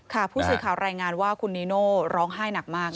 ผู้สื่อข่าวรายงานว่าคุณนีโน่ร้องไห้หนักมาก